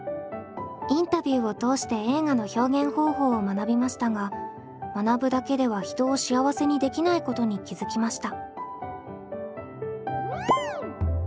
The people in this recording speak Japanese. インタビューを通して映画の表現方法を学びましたが学ぶだけでは人を幸せにできないことに気付きました。